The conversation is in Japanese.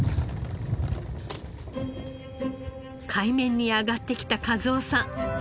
海面に上がってきた一男さん。